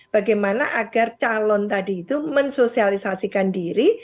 bagaimana agar calon tadi itu mensosialisasikan diri